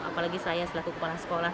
apalagi saya selaku kepala sekolah